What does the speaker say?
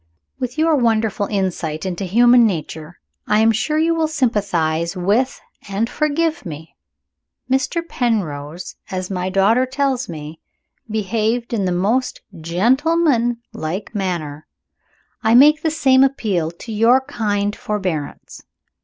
With your wonderful insight into human nature, I am sure you will sympathize with and forgive me. Mr. Penrose, as my daughter tells me, behaved in the most gentleman like manner. I make the same appeal to your kind forbearance.